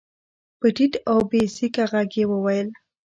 په ټيټ او بې سېکه غږ يې وويل.